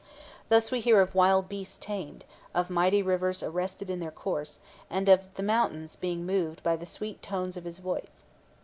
Thus we hear of wild beasts tamed, of mighty rivers arrested in their course, and of mountains being moved by the sweet tones of his voice.